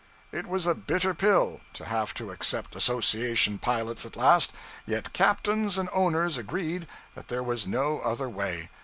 It was a bitter pill to have to accept association pilots at last, yet captains and owners agreed that there was no other way.